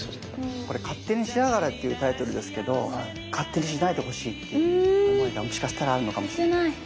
これ「勝手にしやがれ」っていうタイトルですけど勝手にしないでほしいっていう思いがもしかしたらあるのかもしれないですね。